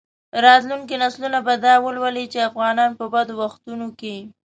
راتلونکي نسلونه به دا ولولي چې افغانانو په بدو وختونو کې.